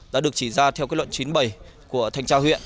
đã được chỉ ra theo kết luận chín mươi bảy của thành trao huyện